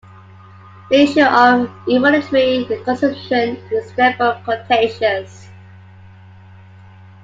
The issue of involuntary consumption is therefore contentious.